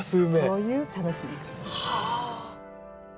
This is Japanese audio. そういう楽しみ方。